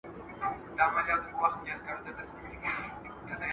که موږ منظم یو نو هیڅکله به ماتې ونه خورو.